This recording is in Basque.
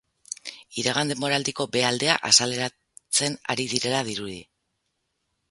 Iragan denboraldiko b aldea azaleratzen ari direla dirudi.